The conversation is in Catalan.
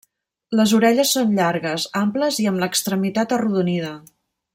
Les orelles són llargues, amples i amb l'extremitat arrodonida.